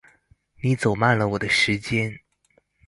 你走慢了我的時間